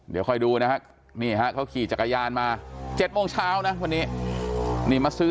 เดี๋ยวค่อยดูนะฮะนี่ฮะเขาขี่จักรยานมา๗โมงเช้านะวันนี้นี่มาซื้อ